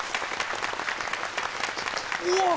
うわっ！